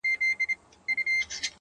و باطل ته یې ترک کړئ عدالت دی,